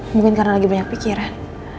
mungkin karena lagi banyak pikiran